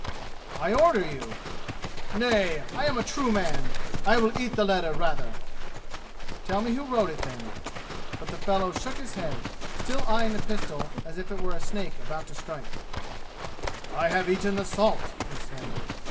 "I order you!" "Nay! I am a true man! I will eat the letter rather!" "Tell me who wrote it, then." But the fellow shook his head, still eying the pistol as if it were a snake about to strike. "I have eaten the salt!" he said.